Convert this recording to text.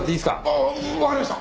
ああわかりました。